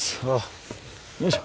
よいしょ。